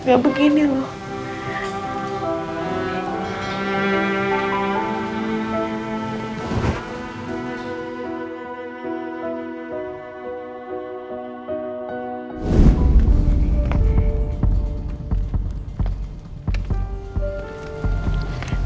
nggak begini loh